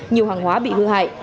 nhiều hàng hóa bị hư hại